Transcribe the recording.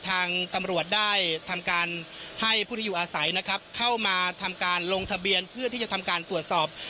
ทางตำรวจได้ทำการให้ผู้ที่อยู่อาศัยนะครับเข้ามาทำการลงทะเบียนเพื่อที่จะทำการตรวจสอบ